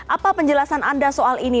apa penjelasan anda soal ini